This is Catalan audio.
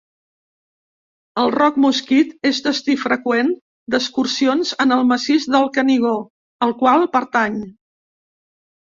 El Roc Mosquit és destí freqüent d'excursions en el Massís del Canigó, al qual pertany.